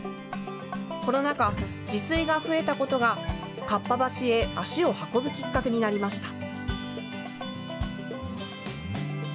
コロナ禍、自炊が増えたことがかっぱ橋へ足を運ぶきっかけになりました。